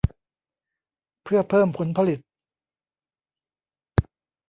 เพื่อเพิ่มผลผลิต